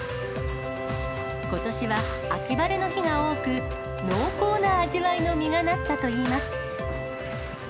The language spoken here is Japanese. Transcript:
ことしは秋晴れの日が多く、濃厚な味わいの実がなったといいます。